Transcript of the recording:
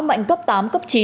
mạnh cấp tám cấp chín